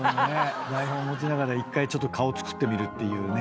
台本持ちながら１回顔作ってみるっていうね。